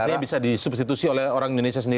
artinya bisa disubstitusi oleh orang indonesia sendiri